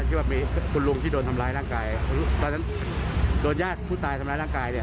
ที่ว่ามีคุณลุงที่โดนทำร้ายร่างกายตอนนั้นโดนญาติผู้ตายทำร้ายร่างกายเนี่ย